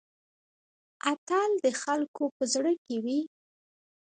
اتل د خلکو په زړه کې وي؟